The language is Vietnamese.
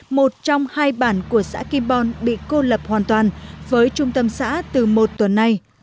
một trong hai bản của xã kim bon bị cô lập hoàn toàn với trung tâm xã từ một tuần nay